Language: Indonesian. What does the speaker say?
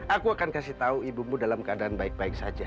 aku akan kasih tahu ibumu dalam keadaan baik baik saja